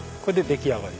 出来上がり？